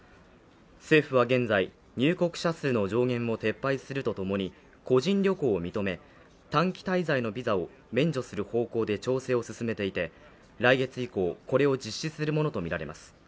政府は現在、入国者数の上限を撤廃するとともに、個人旅行を認め短期滞在のビザを免除する方向で調整を進めていて、来月以降これを実施するものとみられます。